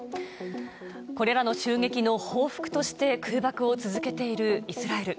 これらの襲撃の報復として空爆を続けているイスラエル。